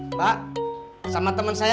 mbak sama temen saya ya